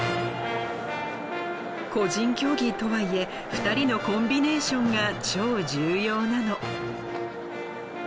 個人競技とはいえ２人のコンビネーションが超重要なの。